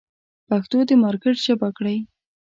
پښتو د مارکېټ ژبه کړئ.